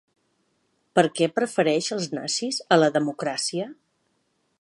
Per què prefereix els nazis a la democràcia.